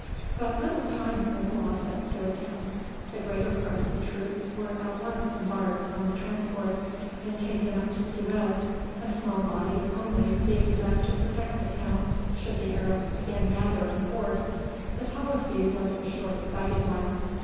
But little time was lost at Suakim. The greater part of the troops were at once embarked on the transports and taken up to Suez, a small body only being left to protect the town should the Arabs again gather in force. The policy was a short sighted one.